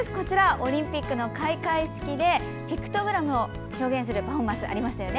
オリンピックの開会式でピクトグラムを表現するパフォーマンスありましたよね。